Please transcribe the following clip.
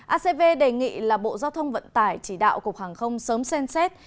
acv đề nghị là bộ giao thông vận tải chỉ đạo cục hàng không sớm xem xét